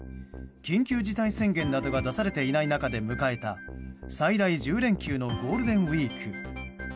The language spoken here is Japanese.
緊急事態宣言などが出されていない中で迎えた最大１０連休のゴールデンウィーク。